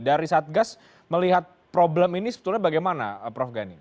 dari satgas melihat problem ini sebetulnya bagaimana prof gani